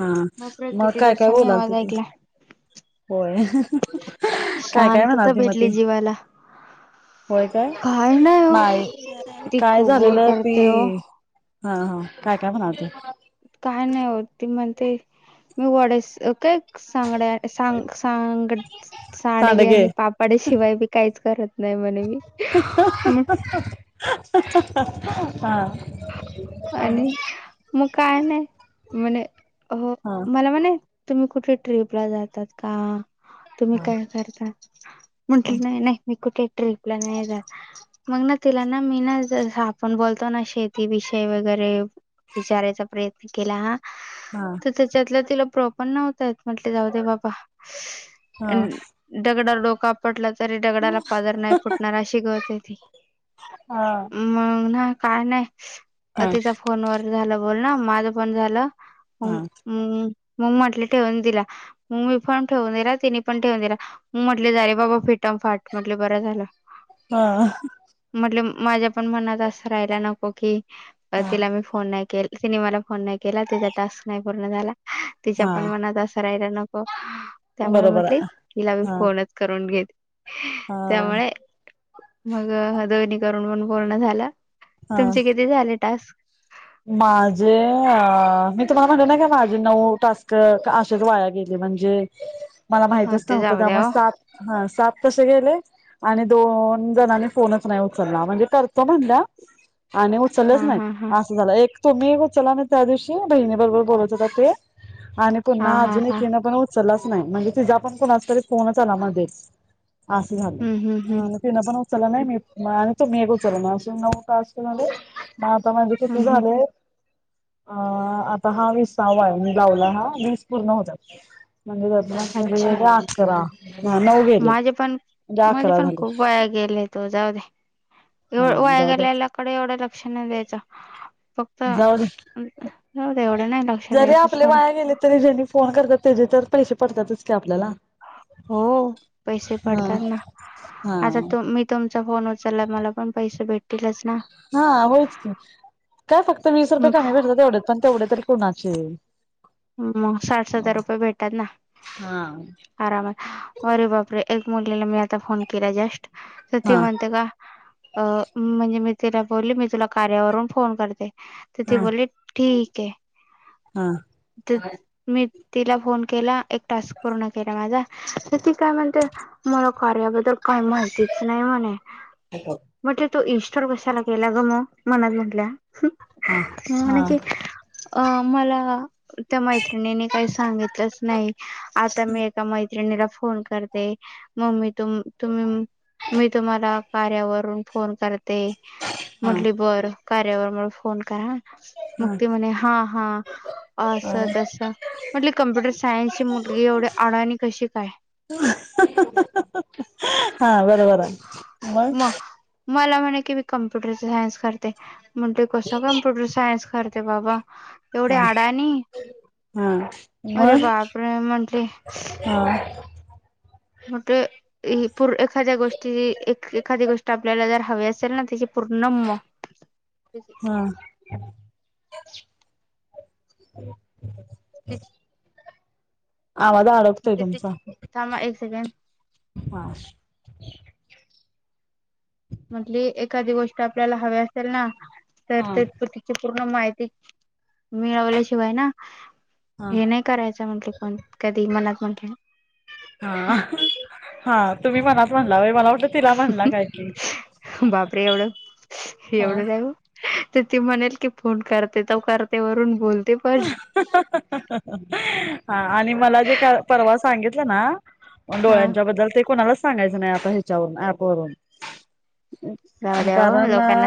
हा बापरे मग किती काय काय दिवसांनी आवाज बोलालती? ऐकला होय हा हा काय काय शांतता म्हणालती मग ती? भेटली जीवाला होय काय नाही हो नाही ती काय खूप बोर झालेलं ती करते हो हा हा काय काय म्हणालती? काय नाय ओ ती म्हण ते मी वड्यास अ काय? सांगण्यात सांग, सांग सांडगे आणि पापड शिवाय मी काहीच करत नाही म्हणे मी मग हहहहहहह ह आणि मग काय नाही म्हणे हो हा मला म्हणे तुम्ही कुठे ट्रिप ला जातात का? तुम्ही काय करता, ह हा म्हटलं नाही नाही मी कुठे ट्रीपला नाही जात मग ना तिला ना मी ना जस आपण बोलतो ना शे ती विषय वगैरे विचारायचा प्रयत्न केला हा. हा तर त्याच्यातलं तिला प्रॉपर नव्हत. म्हटले जाऊ दे बाबा हा अम्म दगडावर डोक आपटला. तरी दडगडाला पाझर नाही फुटणार अशी गतय ती हा मग ना. कार नाही. हा तिचा फोनवर झाला बोलन. माझं पण झालं. ह हम् मग म्हटले ठेवून दिला मग् मी फोन ठेवून दिला तिने पण ठेवून दिला मग म्हटले झाले बाबा फिटम फाट म्हटले बरं झालं. हा म्हनल माझ्या पण मनात अस रायला न ओके. पण हा तिला मी फोन नाही केल तिने मला फोन नाही केला तिचा टास्क नाही पूर्ण झाला. तिच्या पण हा मनात अस राय ते नको त्यामुळे बरोबर म्हटले, आहे तिला मी हा फोनच करून घेते. हा त्यामुळे मग अ हदवनी करून पण पूर्ण झाला. हा तुमचे किती झाले टास्क? माझे अ, मी तुम्हाला म्हणल नाइ का माझे नऊ टास्क अशेच वाया गेले म्हणजे मला हा माहितच ते नव्हत जाऊ द्या त्यामुळे ओ सात हा सात तशे गेले आणि दोन जणानी फोनच नाही उचलला म्हणजे करतो म्हणल्या आणि हा उचलच नाई हा हा अस एक तुम्ही उचला ना त्या दिवशी बहिणी बरोबर बोलत होतात ते आणि हा पुन्हा हा अजून हा एकयीन पण उचलला नाही, म्हणजे तुझ्या पण कोनच तरी फोनच आला मधे अस झाल, हम्म हम्म हम्म तिन पण उचल नाही मी त मेग उचल ना [unintelligible] हम्म हम्म झालये. अ आता हा विसावा आहे, हा लावलाये हा वीस पूर्ण होत्यात. अच्छा, हा नऊ गेले. माझे पण म्हणजे माझे अकरा पण झाले खूप वाया गेलेत ओ, जाऊदे ए हा वाया जाऊ द्या गेल्याल्याकडे एवढ लक्ष नाही द्यायच. जाऊदे, एवढं नाही लक्ष जरी द्यायचं आपले सोडा वाया गेले तरी जेणी फोन करतात त्याचे तर पैशे पडत्यातच कि आप हो पैसे हा पडतात ना, हा आता तु मी तुम फोन उचचाला मला पण पैसे भेटतीलच. ना हा होच की काय फक्त वीस रुपये कमी भेटत तेवढेच पण तेवढे तरी कोणाचे? मग साठ सतर रुपये भेटात ना हा आरामात, अरे बापरे ए मुलीला मी आता फोन केला जष्ट तर ती हा म्हणते का, अ म्हणजे मी तिला बोलली मी तुला कार्यावरून फोन करते. त ती हा बोलली ठीकये. हा ते मी. तिला फोन केला एक टास् पूर्ण केला माझा तर ती काय म्हणते कार्याबद्ल तर काही माहितीच नाही म्हणे म्ह तो इनस्ॉर कशाला केला ग मग मनात म्हटल्या हा म्हणे कि हा. अ मला [unintelligible] त्या मैत्रिणीनी काही सांगितलंच नाही आता मी एका मै मैत्रिणीला फोन करते मममी तुम्ही [unintelligible] मी तुम्हाला कार्यावरून फोन कर. ते म्हटली बर कार्यावर कोण का? मुक्ती मने हा हा. असं हा तसं म्हटले कम्प्युटर सायन्सची मुलगी एवढी आण आणि कशी काय [inaudible] मग म मला म्हणे की मी कम्प्युटरचे सायन्स करते म्हंटले कस कम्प्युटर सायन्स करते बाबा एवढे हा आडानी हा अरे मग बाप म्हंटले ह [inaudible] मगे हू एखाद्या गोष्टी एखादी गोष्ट आपल्याला जर हवे असेल ना त पूर्णम हम् ते आवाज अडकतोय तुमचा थांबा एक सेकंड हा म्हटली एखादी गोष्ट आपल्याला हवी असेल ना हा तरतपतीचे न माहिती मिळवल्याशिवाय ना हा हे नाही करायचं म्हंटले पण कधी मनात म्हटले हा हा तुम्ही मनात म्हणला मला वाट तिला म्हणला काय कि बापरे एवढं ह एवढं नाही हो ती म्हणेल की फोन करते तो करते वरून बोल [unintelligible] आणि मला जे परवा सांगितलं ना मग हा डोळ्यांच्या बद्दल ते कोणाला सांगायचं नाही आता ह्याच्यावरून ऍप वरून जाऊ द्या ओ कारण लोकांना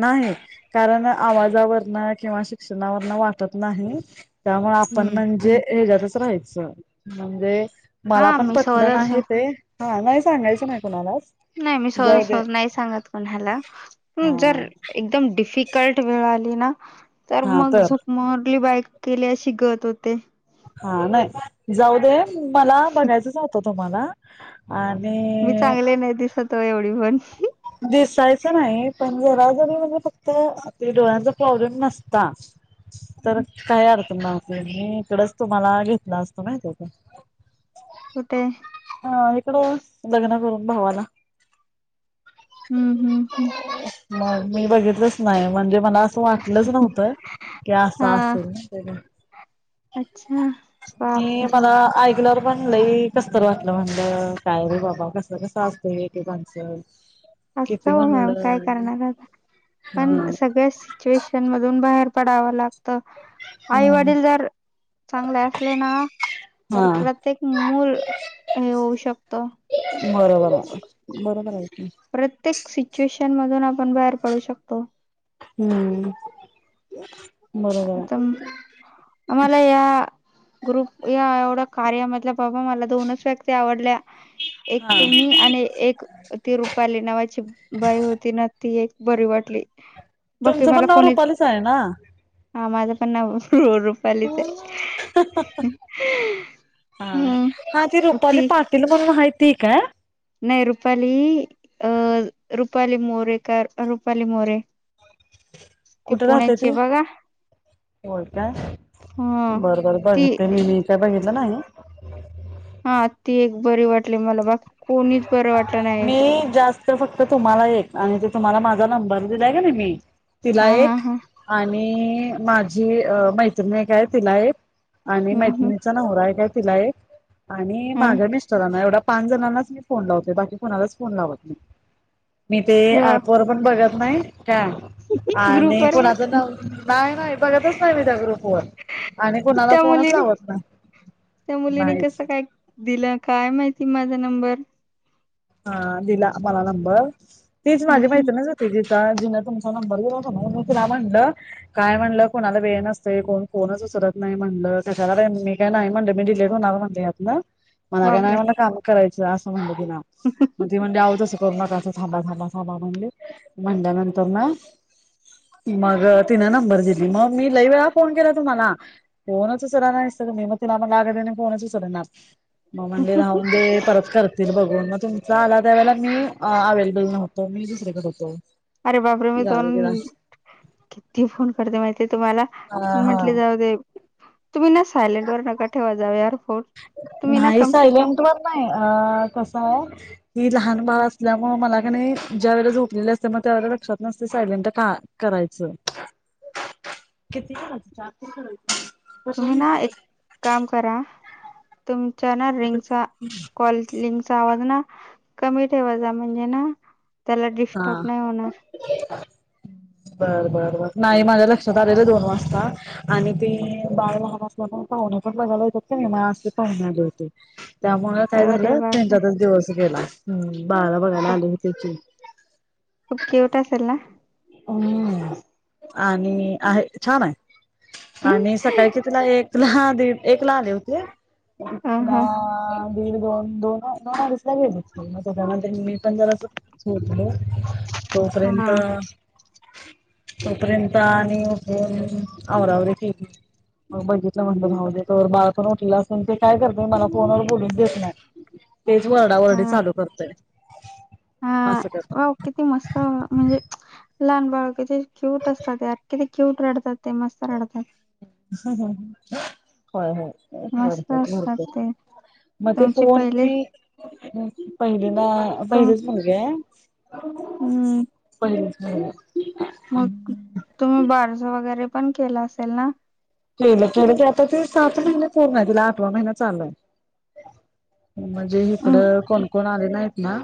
नाही कारण आवाजावरन किंवा शिक्षणावरन तत नाही नाही त्यामुळे आपण हम्म म्हणजे हे ज राहायचं- म्हणजे मला हा पण मी सहज पटलं असं नाही ते हा नाही सांगायचं नाही कुणालाच नाही मी सहज जाऊ दे सहज नाही सांगत कोणाला जर हा एकदम डिफिकल्ट वेळ आ ना तर मग झकमरली बायक केल्या शिकत होते हा नाही - जाऊ दे मला बघायचं च होत तुम्हाला मी आणिइइ चांगले नाही दिसत एवढी पण. नाही पण जरा जरी म्हणजे फक्त डोळ्यांचा प्रॉब्लेम नसता तर काय अर्थ न मी इकडच तुम्हाला घेतला असत, माहिती आहे का? कुठे? हा इकड लग्न करून भावाला हम्म हम्म हम्म. मग मी बघितलंच नाही म्हणजे मला असं वाटलच नव्हत -की असं हा असेल, माहिताय काय? अच्छा बापरे! पण कस्तर वाटल, म्हटलं काय रे बाबा कस कस असतय एकेकांच! अस मॅम काय करणार आहात पण हा सगळ्या सिच्युएशन मधून बाहेर पडावा लाग त आई हम्म वडील जर चांगले असले ना तर हा प्रत्येक मूल हे होऊ शकत बरोबर आहे बरोबर आहे की शान धून आपण बाहेर पडू शकतो. हम्म. बरोबर आता आहे म्हाला या ग्रुप या एवढ्या कार्यामधल्या बाबा मला दोनच व्यक्ती आवडल्या! एक हा तुम्ही, आणि एक ती रुपाली नावाची बाई होती ना ती एक, बरी वाटली. तुमचं पण नाव रूपालीच हाय ना? हाँ माझं पण नाव हो रूपालीच हाय, हा हम्म हा ती रुपाली हुती पाटील म्हणून आहे ती काय? नाही रुपाली अं रुपाली मोरे का रुपाली मोरे ती कुठे राहते पुण्याची ती? बघा होय काय ह बरं बरं ती बघते मी मी काय बघितलं नाही! [inaudible] हा ती एक बरी वाटली मला बाकी कोणीच बरं वाटलं नाही मी जास्त फक्त तुम्हाला एक आणि ते तुम्हाला माझा नंबर दिलाय का नाय मी तिला हा हा एक हा आणि माझी मैत्रिण एक हाय तिला एक आणि हम्म हम् मैत्रिणींचा नवरा हाय एक आहे तिला एक आणि हा माझ्या मिस्टरांना एवढा पाच जणांना फोन लावतोय बाकी कुणालाच फोन लावत नाही मी ते अरे अ वा पण बघत नाही काय ग्रुप आणि बरोबर कोणाचं ना नाही नाही बघतच नाही मी त्या ग्रुप वर फोन आणि कुणाला त्या फोनच मुलीने लावत ना त्या मुलीने नाहीच ति माझं नंबर हा दिला मला नंबर तेच माजी हम्म मैत्रिणच होती ता जिने तुमचा नंबर गला होता ना ती तिला म्हणलं काय म्हणलं कोणाला वेळ नसते कोण फोनच उचलत नाही म्हणलं कशाला मी काही नाही म्हणलं मी डिलेट होणार म्हणले यात ना मला काय नाही बापरे मला काम करायचं सरळ असं म्हणल तिला मग ते म्हणले आव तसं करू नका आता थांबा थांबा आबा म्हणले म्हणल्यानंतर ना मग तिन नंबर दिली मग मी लई वेळा फोन केला तुम्हाला फोनच उचलला नायसा तुम्ही मग तिला म लागत फोनच उचलनात मग म्हणले राहू दे परत करतील बघून तुमचा आला त्यावेळेला मी अवेलेबल नव्हतो मी दुसरीकडे होतो अरे बापरे मी तोन गावीकडं किती फोन करते माहितीे तुम्हाला हा हा म्हंटले जाऊ दे तुम्ही ना सायलेंट वर नका ठेवा जाऊ यार फोन तुम्ही ना नाही कम से कम सायलेंट वर नाही अ कस आहे ही लहान बाळ असल्यामुळे मला का नाही ज्या वेळेला झोपलेले असते मग त्या वेळेला लक्षात नसते सायलेंट का करायचं कितीेळाच चे कस तुम्ही [inaudible] ना एक काम करा तुम ना रिंग्स क्वाल रिंग्स आवाद ना कमी ठेवा जा म्हणजे ना त्याला हा डिस्टर्ब नाही होणार बर बर ब नाही माझ्या लक्षात आलेलं दोन वाजता आणि ते बाळ वाहन असल्या पण पाहुणे पण बघायलातते नि म असे पाहुण्या होते त्यामुळे काय अरे झालं बापरे त्यांच्यातच दिवस गेला हम् बागा वगाला आलेली होतेची खप [unintelligible] केवट असल ना अ आणि आहे छान आहे हम्म आणि सकाळ कि तिला एकला एकला आले होते अ हा दीड दोन दोन दोन लागेले मी पण जरा तोपर्यंत हा [inaudible] तोपर्यंत आणि उठून आवरावर ठेली मग बघितलं म्हणलं भाऊ त बाळकण उठला असेल ते काय करते मला फोनवर बोलूनच देत नाही तेच वरडा वर्डी चालू करतय हा असं करत वा किती मस्त म्हणजे [unintelligible] लहान बाळकचे क्यूट असतातरखि ते क्यूट रडतात ते मस्त रडतात ह ह हो हो मस्त असतात ततो ते मग ते तुमची फोन पहिली मी पहिली ना तुम पहिलेच म्ह घे हम्म ब ह मग तुम्ही बारस वगैरे पण केलं असेल ना केलं केलं क आता ते सात महिने पूर्ण आहे तिला आठवा महिना चाललाय म्हणजे हम्म इकडं कोण कोणा आले नाहीत ना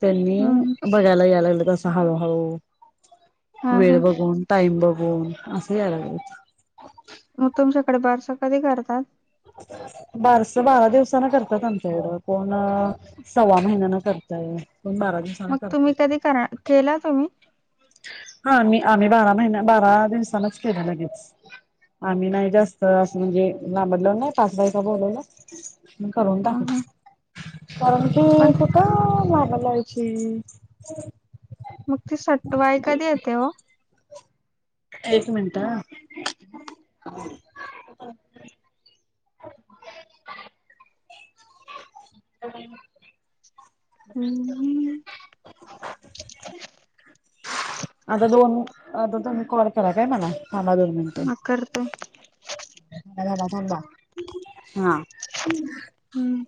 त्यांनी हम्म बघायला यायला लागलं बस हाव ह हा हा वेळ बघून टाईम बघून असं याला गच मग तुमच्याकडे बारस कधी करतात बारस बारा दिवसा नंतर करतात आमच एवढं कोण सव्वा महिन्यान करतय कोण बारा दिवसान मग करतय तुम्ही कधी कराल केला तुम्ही हा मी आम्ही बारा महिना बारा दिवसानच केलं लगेच आम्ही नाही जास्त अस म्हणजे लांबडलो नाही पाच बाईचा बोलवलं म करून हा हा टाखाव कारण ती पण कुठं लाबाला हम् मग ते सटवायच कधी येते हो एक मिनट ह.. हम हम्.. आता दोन आता तुम्ही कॉल करा काय मला थांबा दोन मिनट... हा करते माझे झाले थांबा हा हम्म..